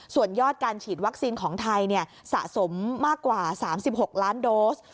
ส่วนยอดการฉีดวัคซีนของไทยสะสมมากกว่า๓๖ล้านโดส